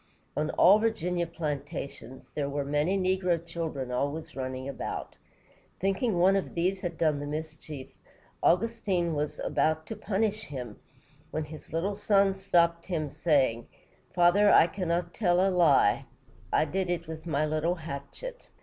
On all Virginia plantations, there were many negro children always running about. Thinking one of these had done the mischief, Augustine Washington was about to punish him, when his little son stopped him, saying: "Father, I cannot tell a lie; I did it with my little hatchet."